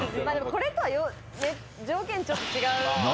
これとは条件ちょっと違う。